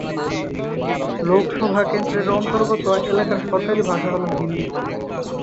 লোকসভা কেন্দ্রের অন্তর্গত এলাকার সরকারি ভাষা হল হিন্দি।